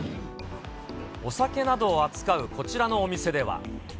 お酒などを扱うこちらのお店では。